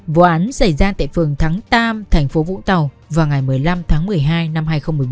vụ án xảy ra tại phường thắng tam thành phố vũng tàu vào ngày một mươi năm tháng một mươi hai năm hai nghìn một mươi bốn